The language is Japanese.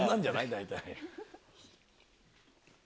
大体。